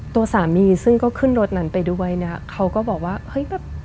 ตัวสามีซึ่งก็ขึ้นรถนั้นไปด้วยเนี้ยเขาก็บอกว่าเฮ้ยแบบ